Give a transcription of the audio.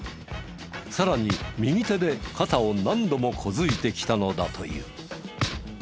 さらに右手で肩を何度も小突いてきたのだという。